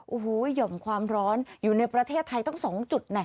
โอ้โหหย่อมความร้อนอยู่ในประเทศไทยตั้ง๒จุด